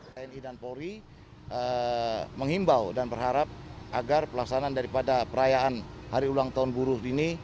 tni dan polri menghimbau dan berharap agar pelaksanaan daripada perayaan hari ulang tahun buruh ini